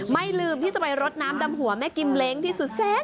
ไม่ลืมที่จะไปรดน้ำดำหัวแม่กิมเล้งที่สุดแซ่บ